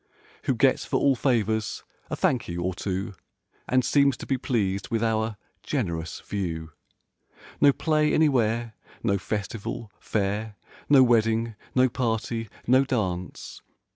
Who gets for all favors a "Thank you" or two. And seems to be pleased with our "generous" view. No play anywhere; no festival; fair; No wedding; no party; no dance.